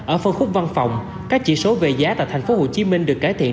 ở phân khúc văn phòng các chỉ số về giá tại tp hcm được cải thiện